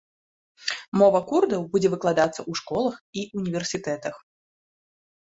Мова курдаў будзе выкладацца ў школах і універсітэтах.